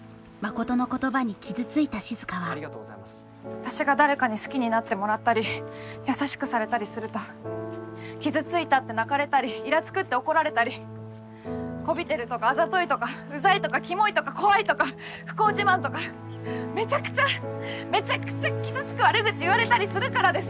私が誰かに好きになってもらったり優しくされたりすると傷ついたって泣かれたりイラつくって怒られたりこびてるとかあざといとかうざいとかキモいとか怖いとか不幸自慢とかめちゃくちゃめちゃくちゃ傷つく悪口言われたりするからです！